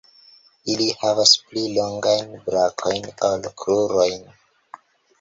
Ili havas pli longajn brakojn ol krurojn.